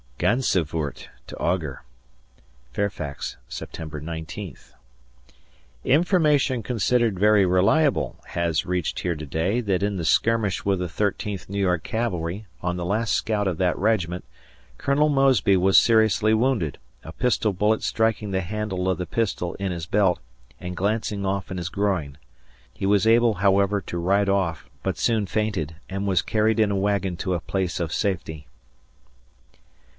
[Gansevoort to Augur] Fairfax, September 19th. Information considered very reliable has reached here to day that in the skirmish with the Thirteenth New York Cavalry, on the last scout of that regiment, Colonel Mosby was seriously wounded, a pistol bullet striking the handle of the pistol in his belt and glancing off in his groin. He was able, however, to ride off, but soon fainted, and was carried in a wagon to a place of safety.